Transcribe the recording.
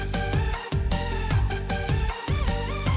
sampai jumpa lagi